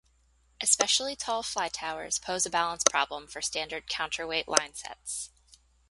Especially tall fly towers pose a balance problem for standard counterweight line sets.